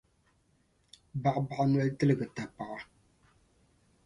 Baɣibaɣi noli tiligi tapaɣa.